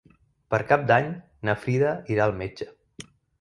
Per Cap d'Any na Frida irà al metge.